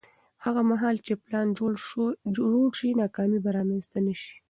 هغه مهال چې پلان جوړ شي، ناکامي به رامنځته نه شي.